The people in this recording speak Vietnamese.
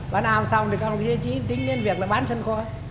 bán ao xong thì các ông chỉ tính đến việc là bán sân kho